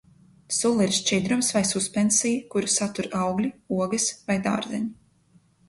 Sula ir šķidrums vai suspensija, kuru satur augļi, ogas vai dārzeņi.